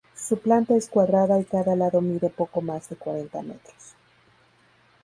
Su planta es cuadrada y cada lado mide poco más de cuarenta metros.